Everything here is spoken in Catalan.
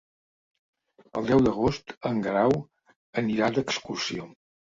El deu d'agost en Guerau anirà d'excursió.